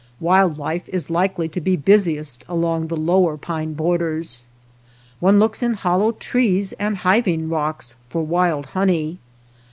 Wild life is likely to be busiest about the lower pine borders. One looks in hollow trees and hiving rocks for wild honey.